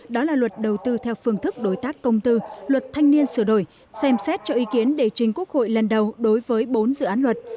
đó là luật đầu tư theo phương thức đối tác công tư luật thanh niên sửa đổi xem xét cho ý kiến để trình quốc hội lần đầu đối với bốn dự án luật